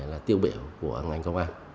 là tiêu biểu của ngành công an